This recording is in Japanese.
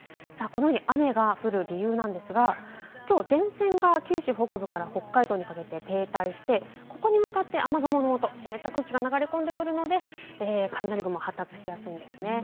雨が降る理由なんですが、前線が九州北部から北海道にかけて停滞して、ここに向かって雨雲のもと、湿った空気が流れ込んでくるので、雷も発達しやすいです。